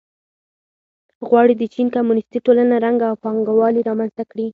غواړي د چین کمونېستي ټولنه ړنګه او پانګوالي رامنځته کړي.